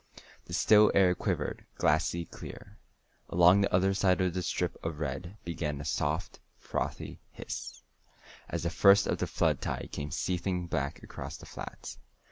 The still air quivered, glassy clear. Along the other side of the strip of red began a soft, frothy hiss, as the first of the flood tide came seething back across the flats.